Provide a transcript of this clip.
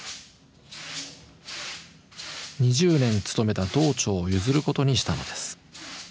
２０年務めた堂頭を譲ることにしたのです。